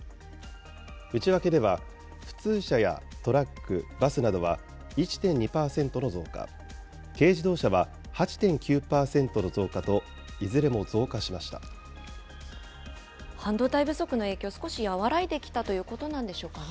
内訳では、普通車やトラック、バスなどは１．２％の増加、軽自動車は８．９％の増加と、いずれも半導体不足の影響、少し和らいできたということなんでしょうかね。